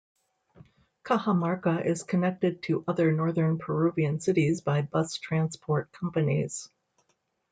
Cajamarca is connected to other northern Peruvian cities by bus transport companies.